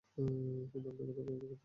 কিন্তু আপনাকে তো কখনো দেখিনি।